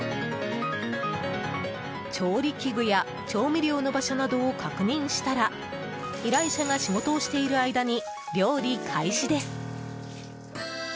調理器具や調味料の場所などを確認したら依頼者が仕事をしている間に料理開始です。